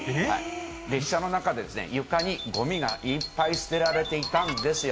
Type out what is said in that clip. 電車の中で、床にごみがいっぱい捨てられていたんですよ。